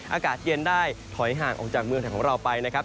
อากาศเย็นได้ถอยห่างออกจากเมืองไทยของเราไปนะครับ